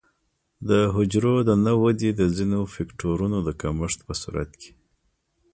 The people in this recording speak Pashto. د حجرو د نه ودې د ځینو فکټورونو د کمښت په صورت کې.